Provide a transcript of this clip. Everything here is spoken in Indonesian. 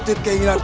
kau akan menang